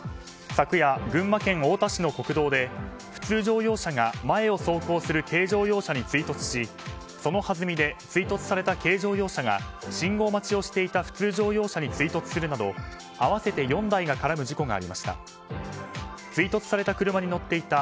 昨夜、群馬県太田市の国道で普通乗用車が前を走行する軽乗用車に追突しそのはずみで追突された軽乗用車が信号待ちをしていた普通乗用車に追突するなど合わせて４台が絡む事故がありました。